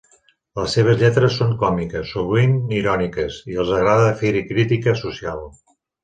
Les seves lletres són còmiques, sovint iròniques, i els agrada de fer-hi crítica social.